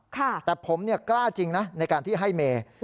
แต่ผมกล้าจริงนะในการที่ให้เมย์